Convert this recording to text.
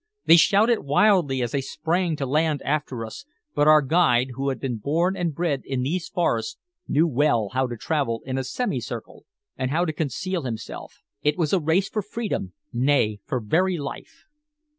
They shouted wildly as they sprang to land after us, but our guide, who had been born and bred in these forests, knew well how to travel in a semi circle, and how to conceal himself. It was a race for freedom nay, for very life.